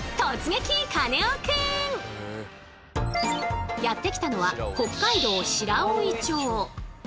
カネオくん！やって来たのは北海道白老町。